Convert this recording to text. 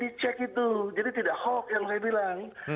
di cek itu jadi tidak hoax yang saya bilang